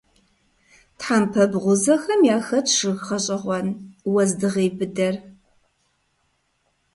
Тхьэмпэ бгъузэхэм яхэтщ жыг гъэщӀэгъуэн - уэздыгъей быдэр.